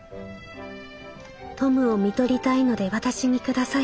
『トムを看取りたいので私にください』」。